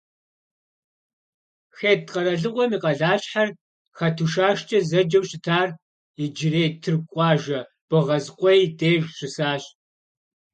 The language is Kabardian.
Хетт къэралыгъуэм и къалащхьэр, Хьэтушашкӏэ зэджэу щытар, иджырей тырку къуажэ Богъазкъуей деж щысащ.